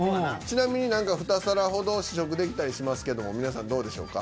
ちなみに何か２皿ほど試食できたりしますけども皆さんどうでしょうか？